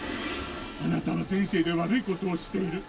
あなたは前世で悪いことをしている」。